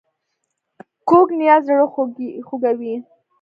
کوږ نیت زړه خوږوي